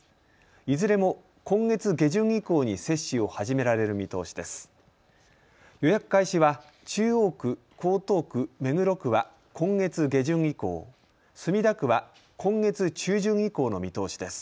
いずれも今月下旬以降に接種を始められる見通しです。